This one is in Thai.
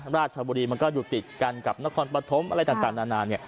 ราชบุรีมันก็อยู่ติดกันกับนครปฐมอะไรต่างนานา